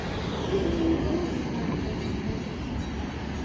Фірма не была ў стане яго сплаціць.